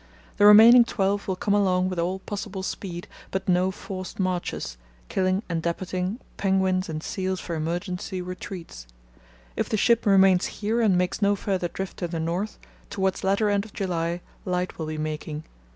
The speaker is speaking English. The remaining twelve will come along with all possible speed, but no forced marches, killing and depot ing penguins and seals for emergency retreats. If the ship remains here and makes no further drift to the north, towards latter end of July light will be making.